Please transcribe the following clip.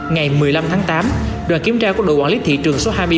ngày một mươi năm tháng tám đoàn kiểm tra của đội quản lý thị trường số hai mươi ba